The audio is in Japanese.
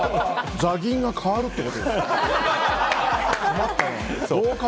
ザギンが変わるってことですね。